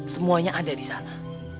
semuanya ada di sana